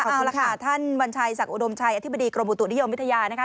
เอาล่ะค่ะท่านวัญชัยศักดิอุดมชัยอธิบดีกรมอุตุนิยมวิทยานะคะ